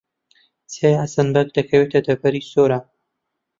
چیای حەسەن بەگ دەکەوێتە دەڤەری سۆران.